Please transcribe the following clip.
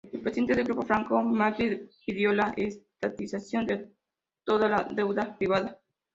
El presidente del grupo, Franco Macri, pidió la estatización de toda la deuda privada.